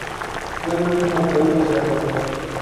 Fue el último feudo español.